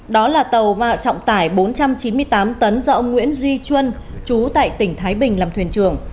đó là tàu trọng tải bốn trăm chín mươi tám tấn do ông nguyễn duy chuan trú tại tỉnh thái bình làm thuyền trường